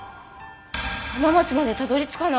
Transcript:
浜松までたどり着かない。